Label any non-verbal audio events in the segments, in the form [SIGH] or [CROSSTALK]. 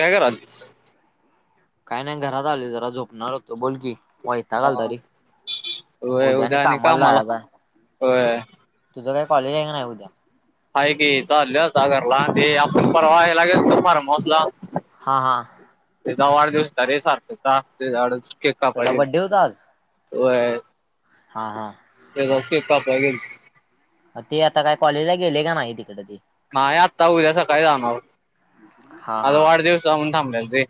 कायं कारलीस? कांहीं नाहीं घरांत आलोय जरां झोपणांर होतो बोल की मग. हां होयं उद्यां आणि कामाला कामांला जायचं आहे. होयं. तुझं कांहीं कॉलेज आहे कां नाहीं उद्यां? हांय की चाललोय घरला ते आपणं परवां ह्याला गेलतो फार्म हाऊंसला. हां हां तेचा वाढदिवस होता रे सार्थक चा त्याच्याकडे केक त्याचा कापायला बड्डे गेलतो. व्हय. हां हां त्याचाच केक कापायला गेलतो. ते आंता काय कॉलेजला गेलय का नाही कां तिकडं ते. नाहीं आंत्ता उद्यां सकाळीं जाणारं हा आंता वाढदिवस होता म्हणुन थांबलेलो रे.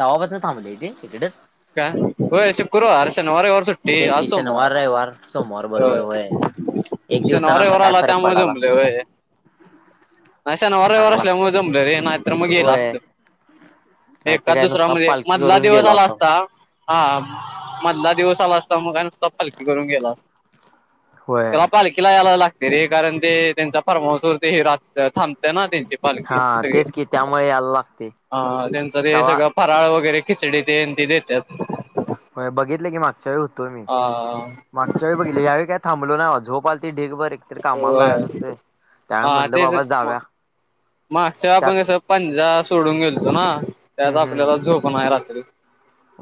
तवा पांसन थांबलं ते इकडेचं. कां होयं शुक्रवार, शनिवार, रविवार सुट्टी तेच की सोमवार शनिवार, रविवार, सोमवार बरोबर होयं. होय. एक दिवसानं शनिवार, आता रविवार काय आला फरक त्यामुळें पडाला जमल व्हय. शनिवार, रविवार चांगला. असल्यांमुळे जमलं रे नाहींत तरं मंग गेलं होय असत. नाहीतर एकांद काय दुसरा नुसता म्हणजे पालखी मधला करून दिवसं गेलो आलां असताव. असतां. हां मधंला दिवसं आंला असतां मंग नुसता पालकी करूंन गेलां असतं. होय त्याला पालखी पालखीलां यांयला लागंत रे कारणं ते त्यांचा फार्म हाऊस वरती हे राहते थांबत नां त्यांचे. पालखी हा असतें तेच की त्यामुळे यायला लागते. हां त्यांचे ते तवा सगळं. फरांळ वगैरें खिचडी तेन ते देतांत. होय बघितल की मागच्यां वेळी होतो मी. मागच्यां वेळी बघितली यांवेळी कायं थांबल नां झोपा आल ती ढीग भर. तर कामांला होय जायंच होते त्यामूळ हा म्हणलं तेच बाबां जाउया. मागच्या वेळेसं आपणं कसं पंजा सोडूंन गेलतो नां त्यांत आपल्यांला झोप नाहीं रात्री.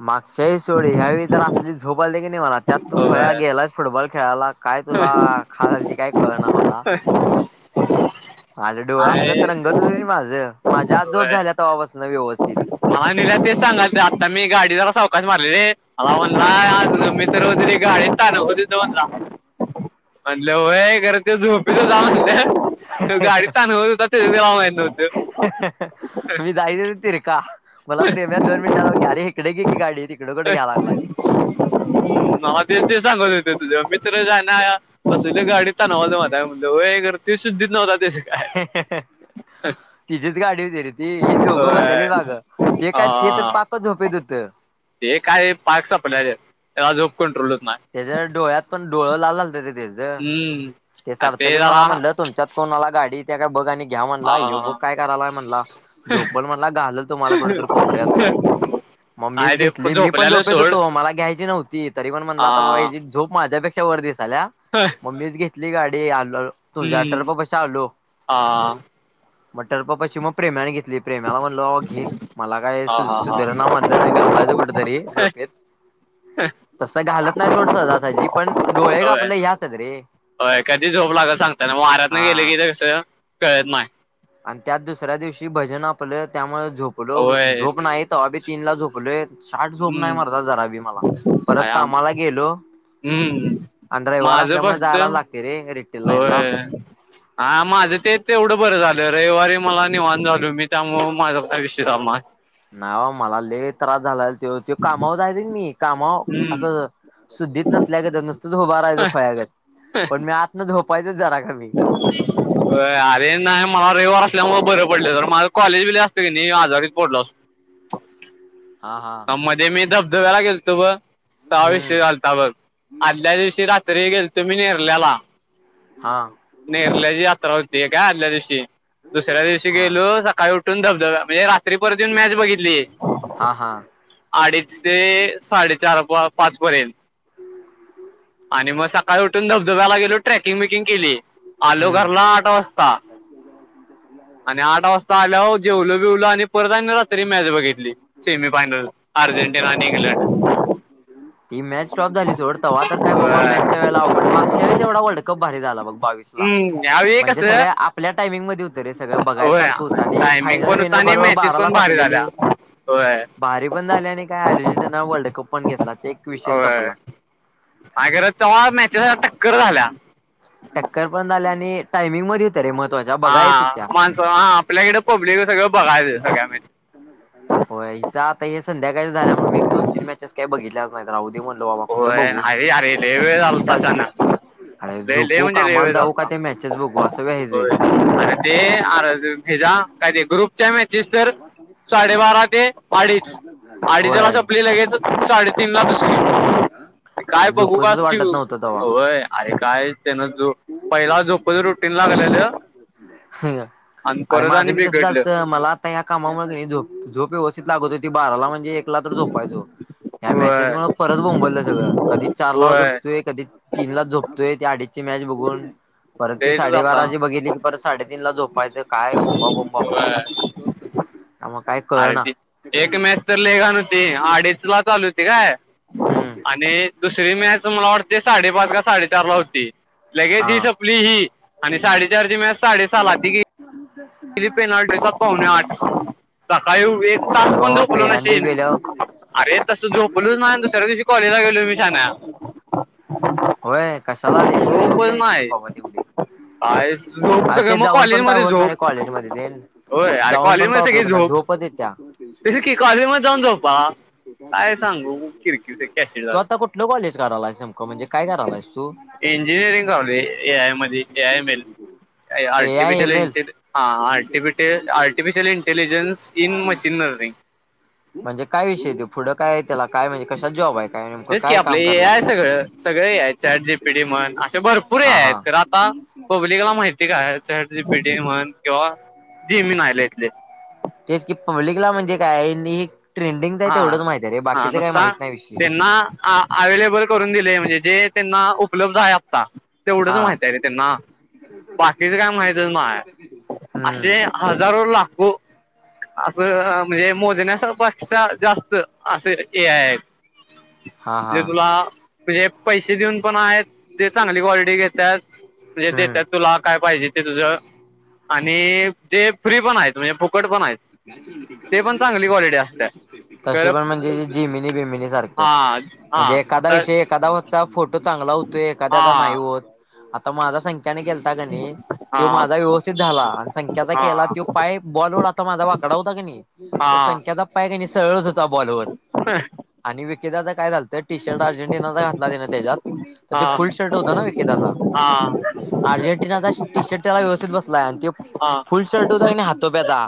मागच्यांवेळी सोड ह्यांवेळी तर असली झोप अलती की नाहीं त्यांत तूं खुळ्या होय. गेलांस. फुटबॉल खेळायंला कायं तुंला खांज आलती कायं कळणं मलां [UNINTELLIGIBLE] माझां डोळं असलां आहे रंगत होते माझं माझ्यां आंज जोब झाल्यां तवा पसणं व्यवस्थित. ''हां'' निलां तेचं सांगाल आंता मी गांडी जरां चवकाश मारले रे मला हा म्हणला. सर्वजणी गांडीत तांणवलत होती म्हणला. म्हटलं होयं खरं ते झोपीत होता म्हणलं. गाडीत तांनत होतं ते बी आम्हाला माहित नव्हतं. आम्ही जाई धुरीत. री कां मलां प्रेम आहे दोन मिनटां अरे इकडे घे की, गांडी तिकडे कुठे घ्यांय लागलांय. [INAUDIBLE] मला बी ते सांगायचं होेतं तुझ्यां मित्रं जाणार. कसलं गांडीत ताणवालता माहितीये का म्हणलं होय खरं शुद्धीत नव्हता त्याचं काय. त्यांचीचं गांडी होती रे ती ही, दोघं बसायले होय बागं ते कायं ते तरं हा. पाकचं झोपेत होतं. ते कायं पाक संपल्या त्यांला झोपकण कटोल होतं नाहीं. त्यांच्या डोळ्यांत पणं डोळ लांत ते त्यांचं हम्म ते आणि सारथ क मलां जरा म्हणलं तुम''--'' त्यांच्यात कोणांला गांडी येत्या का बघां आणि घ्यां म्हणला हे बघं कायं करायलांय म्हणंला. झोपणं म्हणंला घालं तुम्हांला कुठेतरी कोपऱ्यांत. अं, म मीच आहे ते घेतली मी पण झोपल्याला झोपेत सोड होेतो मला घ्यायची नव्हती. तरी पण आ म्हणलं आता बाबा ह्याचे झोप माझ्यापेक्षा वर दिसाल्या. होय. म मीच घेतली गाडी आल तुझ्या अठर्फ पाशी आलो. आ मग टर्फ पाशी मग प्रेम्याने घेतली प्रेम्याला म्हणल बाबा घे. मला काय हा सु हा हा सुधारणा म्हटलं नाही घालायचं कुठतरी झोपेत. तस घालत नाही सोड सहजा सहजी पण हे डोळ हे होय आपलं हे असतात रे. होय कधी झोप लागल सांगता नाही वाऱ्यातन गेले हा. की, ते कसं कळत नाही. आणि त्यात दुसऱ्या दिवशी भजन आपलं त्यामुळे झोपलो होय झोप नाहीत तवाबी तीनला झोपलोय. छाट झोप नाही हम्म मर्दा जरा बी मला परत आय आम कामाला गेलो. हम्म आणि रविवार माझं असल्यामुळे फक्त जायलाच लागते रे घरी. होय. हा, माझं ते तेवढं बरं झालं रविवारी मला निवांत झाल मी त्यामुळ माझा काय विषय नाय. नाय बा मला लई त्रास झाला त्यो त्यो कामावर जायचा कणी कामावर हम्म असं. शुद्धीत नसल्या गत नुसतच उभा रहायचं खुळ्यागत पण मी आतन झोपायचोच जरा कमी. [INAUDIBLE] होय अरे नाही मला रविवार असल्यामुळे बर पडल जर माझ कॉलेज बिलेज असतं की, नाही आजारीच पडलो असतो. हा हा, ह, मध्ये मी धबधब्याला गेलतो ब. तवा हम्म विषय झालता बघ आदल्या दिवशी रात्री गेलतो मी नेरल्याला हा, नेरल्याची यात्रा होती काय आदल्या दिवशी दुसऱ्या दिवशी हा गेलो सकाळी उ''--'' टून धबधब्या म्हणजे रात्री परत येऊन मॅच बघितली. हा हा अडीच ते साडेचार बुवा पाच पर्यंत. आणि मग सकाळी उठून धबधब्याला गेलो ट्रॅकिंग बिकिंग केली. आलो हम्म घरला आट वाजता. आणि आठ वाजता आल्यावर जेवलो बिवलो आणि परत आणि रात्री मॅच बघितली. सेमीफायनल अर्जेंटीना आणि इंग्लंड. ही, मॅच टॉप झाली सोड तवा तर काय बाबा मॅचच्या वेळेला अवघड मागच्यावेळी तेवढा वर्ल्डकप भारी झाला बग बावीस. ला हम्म यावेळी म्हणजे कसं सगळ्या आपल्या टायमिंग मध्ये होत वगैरे सगळं बघाय होय सारखं होतं आणि टायमिंग फायनल, पण होता बियणल आणि बरोबर मॅचेस बाराला पण भारी संपलेली. झाल्या होय भारी पण झाली आणि काय अजेंटिना वर्ल्ड कप पण घेतला ते विषय होय संपला. आणि खर तवा मॅचे जरा टक्कर झाल्या. टक्कर पण झाले आणि टायमिंग मध्ये तरी महत्वाच्या हा माणसं हा आपल्याकडे पब्लिक सगळं बघायच सगळ्या मि होय इथं आता हे संध्याकाळी झाल्यामुळे मी एक, दोन तीन मॅचेस काही बघितल्या नाहीत राहुदे म्हणलो बाबा कुठ होय बघू नाही अरे लय वेळ मीट झालता आलती. शाना अरे लय लय झोपू म्हणजे लय कामाला वेळ जाऊ का झालता ते मॅचेस बघू असं व्हायचं. होय अरे ते आर भेजा कायते ग्रुप च्या मॅचेस तर साडेबारा ते अडीच अडीचला संपली लगेच साडेतीन ला दुस त्यांना सांगा काय बघू काय चिडू व्हय अरे काय त्यानं जो पहिला जो रुटीन लागलेल आणि परत आणि बिघडलं. नाही या कामामध्ये झोप झोप व्यवस्थित लागत होती बाराला म्हणजे एकला तर झोपायचो. होय त्याज्यामुळ परत बोबललं सगळं कधीच चारला होय तोय कधी तीनलाच झोपतोय ती अडीचची मॅच बघून परत ती तेचच आता साडेबाराची बघितली परत साडेतीन ला झोपायचं काय बोंबा, बोंबा होय मग काय. कळ अरे ना ती एक मॅच तर लेघान होती अडीच ला चालू होती. हम्म आणि दुसरी मॅच मला वाटते साडेपाच का साडे विचारला होती लगेज हा ही सपली ही आणि साडेचारची मॅच साडे सहाला ती ही आठ [INAUDIBLE] सकाळी एक तास होय पण बाबा झोपलो पेलांडीव नाशीन गेल्यावर अरे तसं झोपलूच नाही दुसऱ्या दिवशी कॉलेजला गेलो मी शाहाण्या. होय कशाला द्यायच झोप झोपच घ्यायची की नाही बाबा तेवढी. काय झोप अ सगळं ते मग जाऊन पण काय कॉलेजमध्ये होतणारे झोप कॉलेज मध्ये ते. होय जाऊन पण काय उपयोग ना झोपच येतीया. तशी की कॉलेज मध्ये जाऊन झोपा काय सांगू. Cricket cassette. तू आता कुठलं कॉलेज करायलायस नेमकं म्हणजे काय करायलायस तू? इंजिनीअरिंग कावली ए आय मध्ये ए आय मध्ये L A I artificial M L इंज artificial intelligence in machine learning. म्हणजे काय विषय येत पुढं काय आहे त्याला काय म्हणे कशात जॉब आहेत? तेच की आपलं हे आहे सगळं, सगळे चट जी पी डी म्हण असे भरपूर हा हा आहेत. आता पब्लिकला माहिती काय चॅट जी पी टी म्हण किंवा जेमीन आले इथले. तेच की पब्लिकला म्हणजे काय ट्रेंडिंगच आहे हा तेवढंच माहित आहे रे हा बाकीच काही नुसता माहित नाही विषयी. त्यांना अवेलेबल करून दिले म्हणजे जे त्यांना उपलब्ध आहे आत्ता. तेवढंच हा माहित आहे रे त्यांना बाकीचं काय माहितच म असे हम्म हजारो लाखो अस म्हणजे मोजण्यास पेक्ष जास्त असे हे ए आय आहे. हा जे हा तुला म्हणजे पैसे देऊन पण आहेत ते चांगली क्वालिटी घेतात. म्हणजे हम्म देतात तुला काय पाहिजे ते तुझं. आणि जे फ्री पण आहेत म्हणजे फुकट पण आहेत. ते पण चांगली क्वालिटी असते [UNINTELLIGIBLE] कशी तर पण म्हणजे जिमिनी बिमिनी सारखं, हा हा म्हणजे एखादा तर विषय एखादा होत चा फोटो चांगला होतोय, एखाद्याचा नाही हा होत. आता माझा संख्यांन केलता ता कणी हा त्यो माझा व्यवस्थित झाला. आणि संख्याचा हा केला तो पाय बॉल माझा वाकडा होता कणी, त्या हा संख्याचा पाय कणी सरळच होता बॉलवर. [UNINTELLIGIBLE] आणि विकी दाच काय झालतं, टी शर्ट अर्जेंटिनाचा घातला तेन त्याच्यात. तर ते हा फुल शर्ट होत ना विकीदाचा. अर्जेंटिनाचा टी शर्ट त्याला व्यवस्थित बसलाय, आणि त्यो हा फुल शर्ट होता कणी हातोप्याचा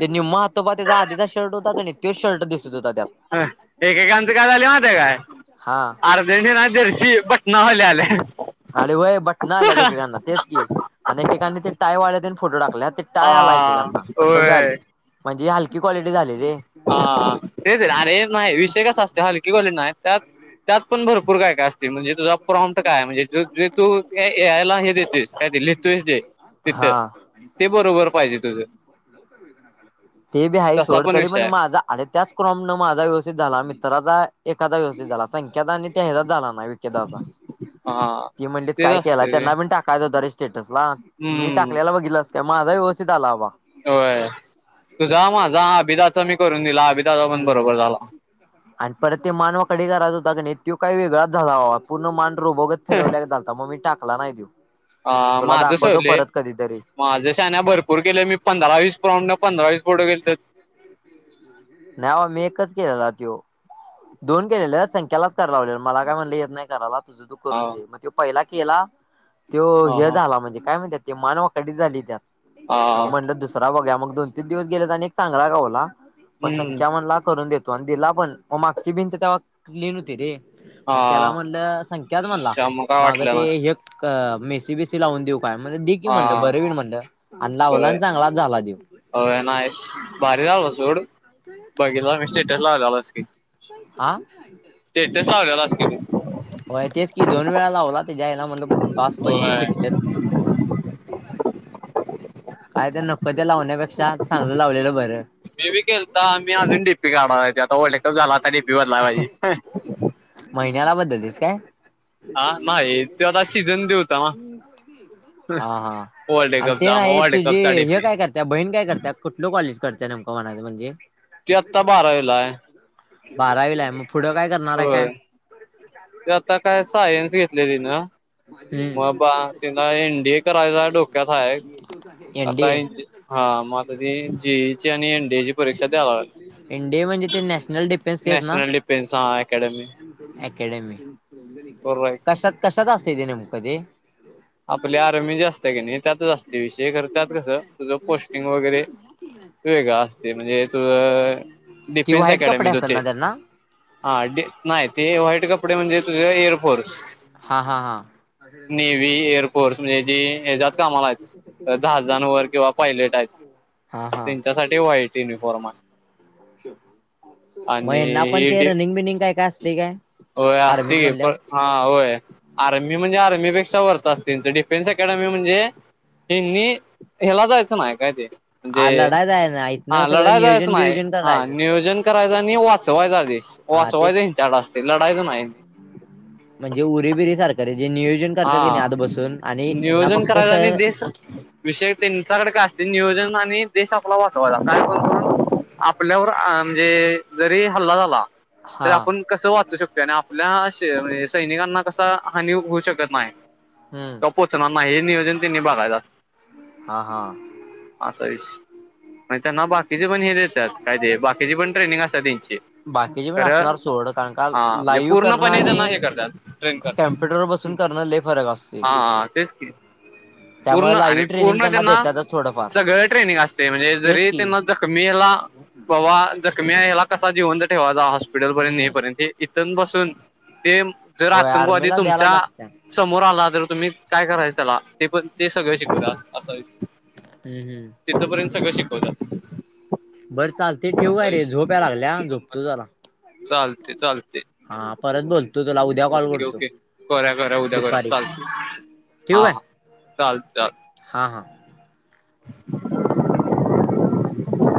ते निम्मा हातोपा त्याचा आधीचा शर्ट होता का नाही, तोच शर्ट दिसत होता त्यात. एकेकांचं काय झालंय, माहीत आहे हा काय. ना जर्शी पटनावाल्या आल्यात. आणि व्हय बटन आल्यात, एकेकांना तेच की आणि एकेकांनी ते टायवाल्या तेन फोटो टाकल्यात. टाय आलाय आ एकेकाना, तसबी होय आलय, म्हणजे हलकी क्वालिटी झाली रे. हा तेच आहे आणि नाही विषय कस असणार नाही त्यात, त्यात पण भरपूर कायकाय असतय. म्हणजे तुझा प्रॉमट काय हाय, म्हणजे जे तू एयला हे देतो आहेस काय ते लिहितोयस जे तिथं हा. ते बरोबर पाहिजे तुझं ते बी आहे तसा सोड तरी विषय पण आहे बघ. [UNINTELLIGIBLE] क्रॉम न माझा व्यवस्थित झाला, मित्राचा एखादा व्यवस्थित झाला. संख्याचा आणि त्या ह्याचाच झाला नाही विकीदाचा. हा ति म्हटलीत तेच काय केलाय, असते रे त्यांना पण टाक. कालच होता रे स्टेटसला. मी हम्म टाकलेला बघितलास काय, माझा व्यवस्थित आला बाबा. होय, तुझा माझा अभिदाचा मी करून दिला व्यव हम्म. आणि परत ते मान वाकडी करायच होता कणी, तो काही वेगळाच झाला बाबा, पूर्ण मान रोबो गत फिरवल्यागत झालता, मग मी टाकला नाही त्यो. अ तुला माझं दाखवतो सवले परत कधीतरी माझ्या शाण्या भरपूर केेल मी, पंधरा वीस प्राऊंड पंधरावीस पुढ गेलोय. नाही बाबा मी एकच केलेला तो. दोन केलेले संख्यालाच करा लावलेल, मला काय म्हणलं येत नाही करायला. तुझ तु हा करून दे. मग ते पहिला केला त्यो हा हे हा झाला, म्हणजे काय म्हणत्यात ते मान वकडी झाली त्यात, हा मग म्हटलं दुसरा बघुया. मग दोन तीन दिवस गेल तर आणि एक चांगला घावला. मग हम्म संख्या म्हणला करून देतो, आणि दिला पण मग मागची भिंंत तेव्हा क्लीन व्हती रे. हा मग त्याला म्हणलं संख्याच म्हणला, त्यामुळे काय माग वाटलं ना ते हे मेसी बेसी लावून देऊ काय, दे की हा म्हणलं बरं होईल म्हणल आणि लावला होय आणि चांगलाच झाला त्यो. होय नाही भारी झालता सोड. बघितलं मी स्टेटस लावलेलास की. आं. स्टटेस लावलेलास की. तू होय तेच की दोन वेळा लावला. त्याच्या आईला म्हणलं बास पैस होय फिटलं. काय ते नको ते लावण्यापेक्षा चांगलं लावलेलं बरं. मी बी केलता, मी अजून डीपी काढालोय, आता वर्ल्ड कप झाला आता डीपी बदलाय पाहिजे. महिन्याला बद्दललीस काय. हा नाही त्यो आता शिजन बी होता. हा हा वर्ल्ड आणि ते कपचा मग नाय, वर्ल्ड तुझी कपचा हे डीपी काय करत्या बहीण काय करत्या. कुठल कॉलेज करत्या नेमकं म्हणायच म्हणजे. ती आत्ता बारावीला आहे. बारावीला आहे, मग पुढं काय करणार आहे काय? ते आता काय सायन्स घेतल ती‌न. मग हम्म बा तीन एंडीए करायचा डोक्यात आहे, आता एनडीए हा म आता ती जीई ची आणि एनडीए ची परीक्षा द्यावाया एनडीए म्हणजे ते नॅशनल डिफेन्स तेच ना? नॅशनल डफेनस हा अकॅडमी अकॅडमी बरोबर आहे कशात कशात असते ते नेमकं ते आपले आर्मी जे असत की नाही त्यात असते विषय खर त्यात कसं तुझं पोस्टिंग वगैरे वेगळा असतय म्हणजे त ती डिफेन्स व्हाईट कपडे अकॅडमीत असतात होतय ना त्यांना? हा डी नाही ते व्हाईट कपडे म्हणजे तुझ एर हा हा हा नेव्ही एअरफोर्स ने जे ए जात कामाला आहेत जहाजांवर किंवा पायलट आहेत, हा हा त्यांच्यासाठी व्हाईट युनिफॉर्म आहे. मग आणि यांना पण ही ते डी रनिंग बिनिंग काय काय असते काय? होय आर्मीत असती पण म्हणल्यावर हा होय आर्मी म्हणजे आर्मी पेक्षा वरती असतय त्यांच डिफेन् अकॅडमी म्हणजे त्यांनी ह्याला जायचं नाही काय ते म्हणजे आ लढायच आहे ना इथनं हा सगळं लढाय जायचं नियोजन नाय, बियोजन हा करायचं सगळं नियोजन करायच आणि वाचवायचा देश. हा वाचवायच तेच की ह्यांच्याकड असतय, लढायच नाय. म्हणजे उरेबिर सारख जे नियोजन करतात की नाही हा आत बसून आणि यांना नियोजन फक्त करायचं आणि सर देश विषय त्यांच्याकडे काय असते नियोजन आणि देश आपला वाचवायचा काय पण करून आपल्यावर म्हणजे जरी हल्ला झाला तर हा आपण कसं वाचू शकतोय आणि आपल्याणजे सैनिकांना कसा हानी होऊ शकत नाय ते हम्म पोचणार नाही हे नियोजन त्यांनी बघायचं असतय हा हा असा विष नाही त्यां ना बाकीचे पण हे देतात, काय ते बाकीची पण ट्रेनिंग असतात त्यांची बाकीचे पण खरं असणार सोड कारण का हा म्हणजे लाईव्ह करणं पूर्णपणे त्यांना हे आणि करतात ट्रेन करतात कम्प्युटर बसून करण लई फरक असतोय. हा हं तेच की. [UNINTELLIGIBLE] पूर्ण आणि लाईव्ह ट्रेनिंग पूर्ण त्यांना देतातच थोडंफार सगळं ट्रेनिंग असतय म्हणजे तेच जरी की त्यांना जखमीला बाबा जखमी आहे याला कसा जिवंत ठेवायचा, हॉस्पिटलपर्यंत हम्म नेईपर्यंत इथून पासुन ते जर होय आतंकवादी आर्मीला द्यायला तुमच्या लागत्या समोर आला तर तुम्ही काय करायचं त्याला ते पण ते सगळ शिकवत्यात असं हम्म हम्म तिथंपर्यंत सगळं शिकवतात बरं चालतेय ठेवू असा काय रे विषय झोप याय लागलीया झोपतो जरा चालते चालते हा परत बोल ओके ओके करुया करूया उद्या करूया दुपारी चालतंय हा हा चालेल चाल हा हा [UNINTELLIGIBLE]